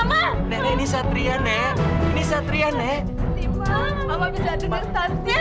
mereka ini nggak bisa lihat